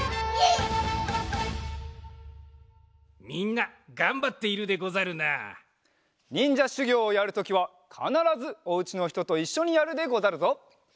みんながんばっているでござるな。にんじゃしゅぎょうをやるときはかならずおうちのひとといっしょにやるでござるぞ。